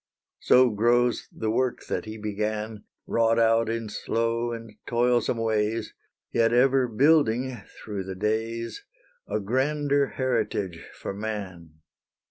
So grows the work that he began, Wrought out in slow and toilsome ways, Yet ever building through the days, A grander heritage for man.